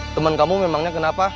temen kamu memangnya kenapa